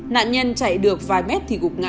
nạn nhân chạy được vài mét thì gục ngã